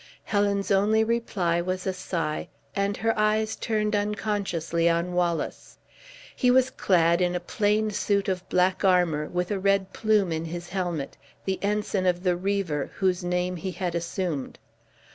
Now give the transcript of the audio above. Helen's only reply was a sigh, and her eyes turned unconsciously on Wallace. He was clad in a plain suit of black armor, with a red plume in his helmet the ensign of the Reaver, whose name he had assumed.